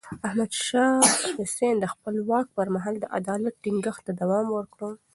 احمد شاه حسين د خپل واک پر مهال د عدالت ټينګښت ته دوام ورکړ.